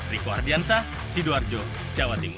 riku ardiansah sidoarjo jawa timur